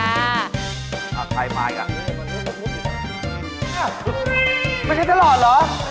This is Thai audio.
ไม่ใช่ทะลอดเหรอไม่ใช่ครับไม่ใช่ครับ